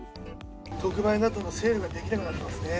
特売などのセールができなくなってますね。